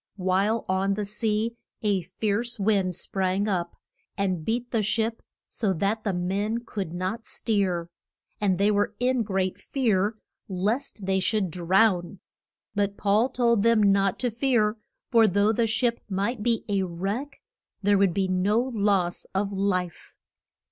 While on the sea a fierce wind sprang up, and beat the ship so that the men could not steer. And they were in great fear lest they should drown. But Paul told them not to fear, for though the ship might be a wreck there would be no loss of life.